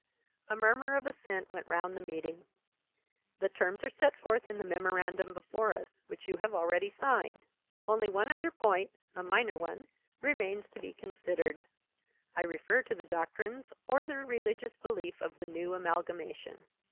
A murmur of assent went round the meeting. "The terms are set forth in the memorandum before us, which you have already signed. Only one other point a minor one remains to be considered. I refer to the doctrines or the religious belief of the new amalgamation."